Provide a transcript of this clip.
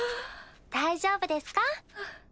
大丈夫ですか？